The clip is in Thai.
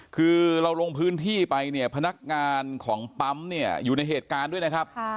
คือเราลงพื้นที่ไปเนี่ยพนักงานของปั๊มเนี่ยอยู่ในเหตุการณ์ด้วยนะครับ